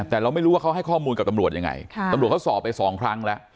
แต่เราไม่รู้ว่าเขาให้ข้อมูลกับตำรวจยังไงตำรวจเขาสอบไปสองครั้งแล้ว